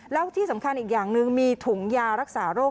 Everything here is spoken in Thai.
แล้วที่สำคัญอีกอย่างหนึ่งมีถุงยารักษาโรค